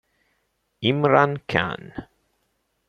Imran Khan